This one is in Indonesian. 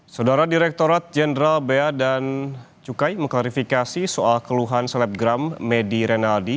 saudara direkturat jenderal bea dan cukai mengklarifikasi soal keluhan selebgram medi renaldi